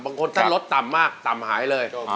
บางคนตั้งเลสต์ต่ำหายเลย